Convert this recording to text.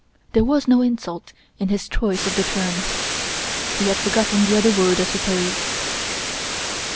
There was no insult in his choice of the term. He had forgotten the other word, I suppose.